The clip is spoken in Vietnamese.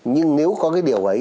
nhưng nếu có cái điều ấy